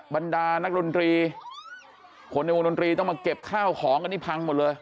บรรดานักดนตรีคนในวงดนตรีต้องมาเก็บข้าวของกันนี่พังหมดเลย